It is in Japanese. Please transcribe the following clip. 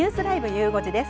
ゆう５時です。